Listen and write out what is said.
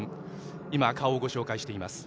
今、顔をご紹介しています。